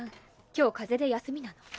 今日風邪で休みなの。